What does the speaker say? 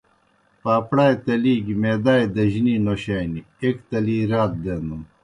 پاپڑائے تلی گیْ معدائے دجنی نوشانی۔ ایْک تلی رات دینَن۔